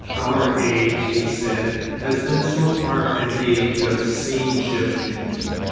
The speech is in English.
'Our age,' he said, 'has been so far an age of scene shifting.